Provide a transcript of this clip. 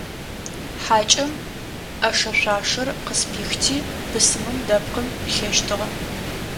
Хьакӏэм ӏэшэ-шъуашэр къызпихти, бысымым дэпкъым пилъэщтыгъэ.